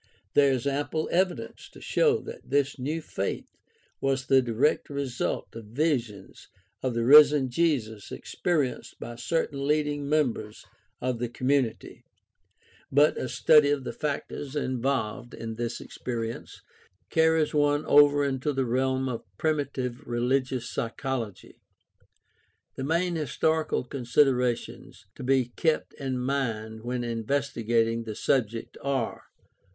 There is ample evidence to show that this new faith was the direct result of visions of the risen Jesus experienced by cer tain leading members of the community (e.g., I Cor. 15:5 8), but a study of the factors involved in this experience carries one over into the realm of primitive religious psy chology. The main historical considerations to be kept in mind when investigating the subject are: 1.